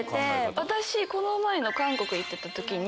私この前韓国行ってた時に。